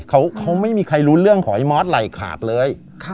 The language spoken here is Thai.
เขาไม่มีใครรู้เรื่องของไอ้มอสไหล่ขาดเลย